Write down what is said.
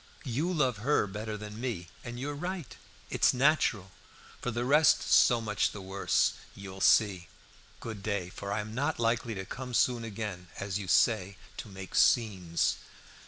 You love her better than me, and you are right. It is natural. For the rest, so much the worse! You will see. Good day for I am not likely to come soon again, as you say, to make scenes."